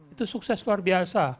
itu sukses luar biasa